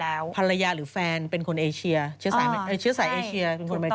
แล้วภรรยาหรือแฟนเป็นคนเชื้อสายเอเชีย